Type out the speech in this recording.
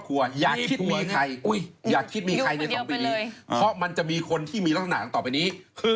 ความรักเนี่ยนะคนเกิดราศี